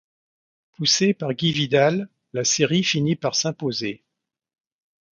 Poussée par Guy Vidal, la série finit par s'imposer.